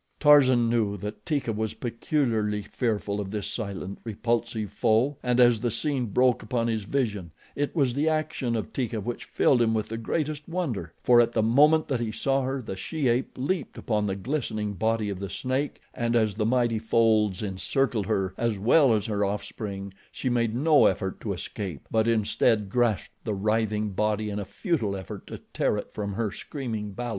Tarzan knew that Teeka was peculiarly fearful of this silent, repulsive foe, and as the scene broke upon his vision, it was the action of Teeka which filled him with the greatest wonder, for at the moment that he saw her, the she ape leaped upon the glistening body of the snake, and as the mighty folds encircled her as well as her offspring, she made no effort to escape, but instead grasped the writhing body in a futile effort to tear it from her screaming balu.